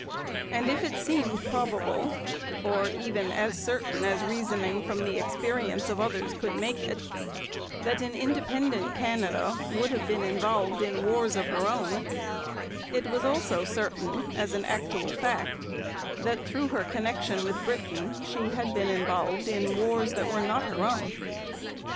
And if it seemed probable, or even as certain as reasoning from the experience of others could make it, that an independent Canada would have been involved in wars of her own, it was also certain, as an actual fact, that through her connection with Britain she had been involved in wars that were not her own.